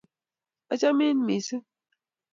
achamin misiing